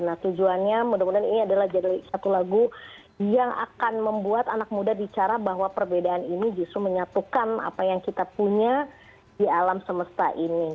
nah tujuannya mudah mudahan ini adalah jadi satu lagu yang akan membuat anak muda bicara bahwa perbedaan ini justru menyatukan apa yang kita punya di alam semesta ini